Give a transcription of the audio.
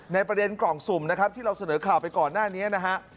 ในประเด็นกล่องสุ่มนะครับที่เราเสนอข่าวไปก่อนหน้านี้นะฮะ